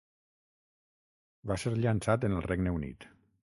Va ser llançat en el Regne Unit.